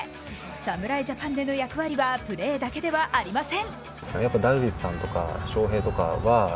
侍ジャパンでの役割はプレーだけではありません。